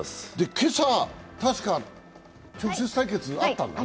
今朝、たしか直接対決があったんだよね？